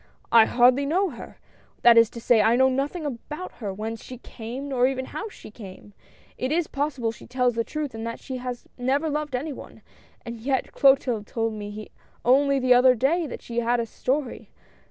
I hardly know her^ — that is to say, I know nothing about her, whence she came, nor even how she came ! It is possible she tells the truth, and that she has never loved any one ; and yet — Clotilde told me only the other day that she had a story.